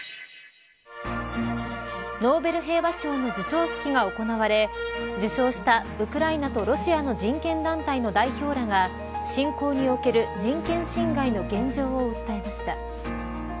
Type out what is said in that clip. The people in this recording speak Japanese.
ノーベル平和賞の授賞式が行われ受賞したウクライナとロシアの人権団体の代表らが侵攻における人権侵害の現状を訴えました。